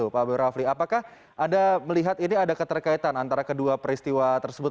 pak boy rafli apakah anda melihat ini ada keterkaitan antara kedua peristiwa tersebut